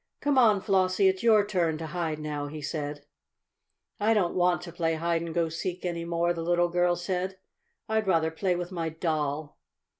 "Come on, Flossie; it's your turn to hide now," he said. "I don't want to play hide and go seek any more," the little girl said. "I'd rather play with my doll."